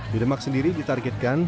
di demak sendiri ditargetkan